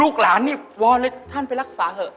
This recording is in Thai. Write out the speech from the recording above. หลานนี่วอนเลยท่านไปรักษาเถอะ